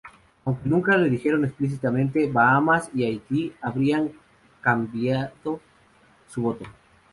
Aunque nunca lo dijeron explícitamente, Bahamas y Haití habrían cambiado su voto.